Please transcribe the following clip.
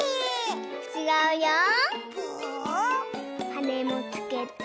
はねもつけて。